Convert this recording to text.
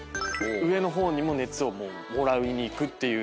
上の方にも熱をもらいにいくっていう。